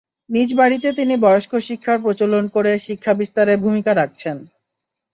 নিজ বাড়িতে তিনি বয়স্ক শিক্ষার প্রচলন করে শিক্ষা বিস্তারে ভূমিকা রাখছেন।